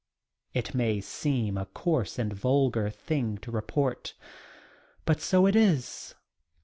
It may seem a coarse and vulgar thing to report, but so it is.